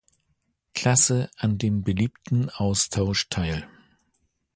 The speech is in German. Klasse an dem beliebten Austausch teil.